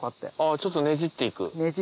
ちょっとねじって行く。